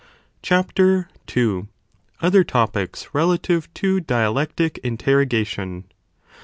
Cuap. Il.—Other Topics relative to Dialectic Interrogation.